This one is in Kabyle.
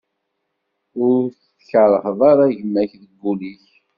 Ur tkeṛṛheḍ ara gma-k deg wul-ik.